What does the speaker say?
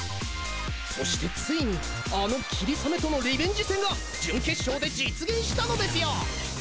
そしてついにあのキリサメとのリベンジ戦が準決勝で実現したのですよ！